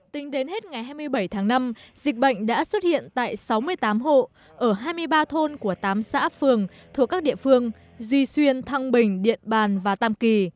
tính đến hết ngày hai mươi bảy tháng năm dịch bệnh đã xuất hiện tại sáu mươi tám hộ ở hai mươi ba thôn của tám xã phường thuộc các địa phương duy xuyên thăng bình điện bàn và tam kỳ